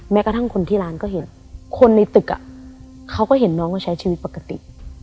แม้กระทั่งคนที่ร้านก็เห็นคนในตึกเขาก็เห็นน้องก็ใช้ชีวิตปกติ